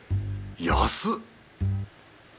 安っ！